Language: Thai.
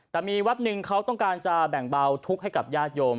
แต่มีวัดหนึ่งเขาต้องการจะแบ่งเบาทุกข์ให้กับญาติโยม